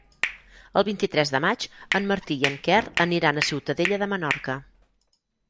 El vint-i-tres de maig en Martí i en Quer aniran a Ciutadella de Menorca.